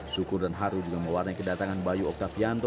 syukur dan haru juga mewarnai kedatangan bayu oktavianto